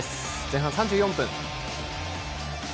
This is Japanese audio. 前半３４分。